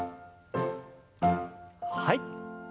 はい。